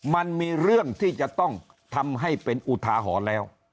มันมีเรื่องที่จะต้องทำให้เป็นอุทาหรณ์แล้ว